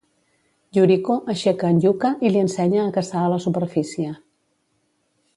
Yuriko aixeca en Yuka i li ensenya a caçar a la superfície.